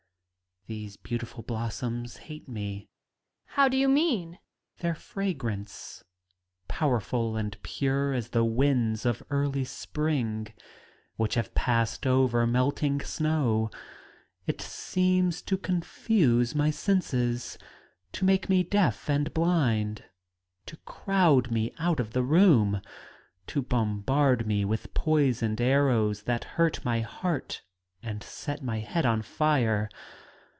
Student. Their fragrance, powerful and pure as the winds of early spring, which have passed over melting snow — ^it seems to confuse my senses, to make me deaf and blind, to crowd me out of the room, to bombard me with poisoned arrows that hurt my heart and set my head on fire.